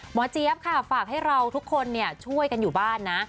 เจี๊ยบค่ะฝากให้เราทุกคนช่วยกันอยู่บ้านนะ